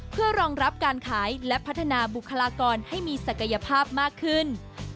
เพื่อรองรับการขายและพัฒนาบุคลากรให้มีศักยภาพมากขึ้น